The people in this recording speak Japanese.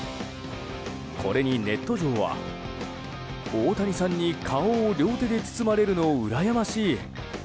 これに、ネット上は大谷さんに顔を両手で包まれるのうらやましい。